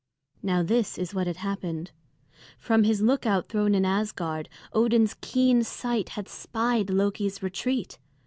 Now this is what had happened: from his lookout throne in Asgard, Odin's keen sight had spied Loki's retreat.